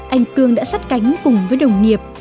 anh cương đã sắt cánh cùng với đồng nghiệp